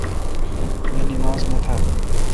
می نماز نہ تھال۔